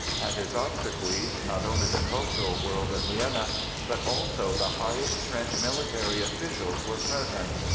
At his obsequies not only the cultural world of Vienna but also the highest French military officials were present.